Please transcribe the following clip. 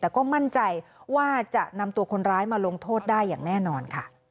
แต่ก็มั่นใจว่าจะนำตัวคนร้ายมาลงโทษได้อย่างแน่นอนค่ะ